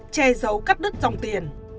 che giấu cắt đứt dòng tiền